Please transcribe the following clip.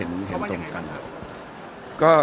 พี่แอนาจารย์อก็ว่ายังไงครับ